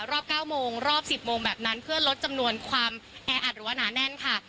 รอบ๙โมงรอบ๑๐โมงแบบนั้นเพื่อลดจำนวนความแออัดหรือว่าหนาแน่นค่ะ